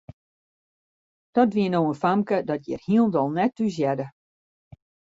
Dat wie no in famke dat hjir hielendal net thúshearde.